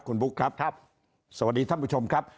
คุณบุ๊คครับครับสวัสดีท่านผู้ชมครับ